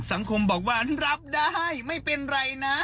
สังคมบอกว่ารับได้ไม่เป็นไรนะ